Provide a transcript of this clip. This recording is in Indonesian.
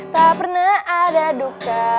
tak pernah ada duka